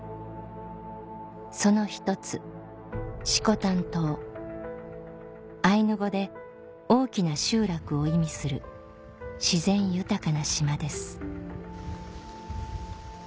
その一つアイヌ語で「大きな集落」を意味する自然豊かな島です